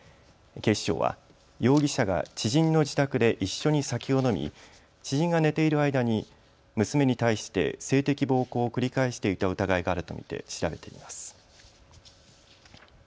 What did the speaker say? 警視庁は容疑者が知人の自宅で一緒に酒を飲み知人が寝ている間に娘に対して性的暴行を繰り返していた疑いがあると見て調べています。